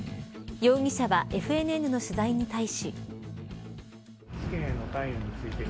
容疑者はＦＮＮの取材に対し。